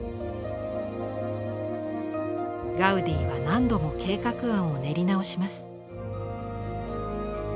ガウディは何度も計画案を練り直します。